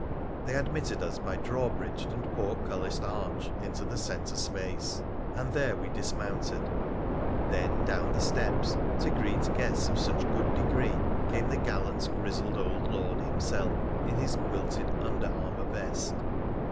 They admitted us by drawbridge and portcullised arch into the centre space, and there we dismounted. Then down the steps, to greet guests of such good degree, came the gallant, grizzled old Lord himself in his quilted under armour vest.